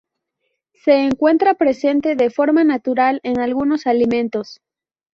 Se encuentra presente de forma natural en algunos alimentos.